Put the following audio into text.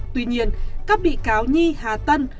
tuy nhiên các bị cáo nhi hà tân